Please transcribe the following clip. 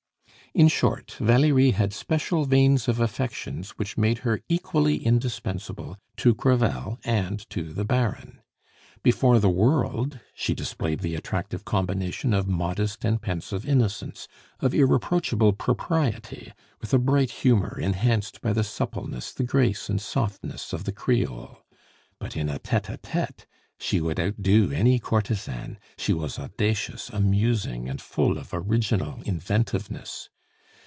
In short, Valerie had special veins of affections which made her equally indispensable to Crevel and to the Baron. Before the world she displayed the attractive combination of modest and pensive innocence, of irreproachable propriety, with a bright humor enhanced by the suppleness, the grace and softness of the Creole; but in a tete a tete she would outdo any courtesan; she was audacious, amusing, and full of original inventiveness.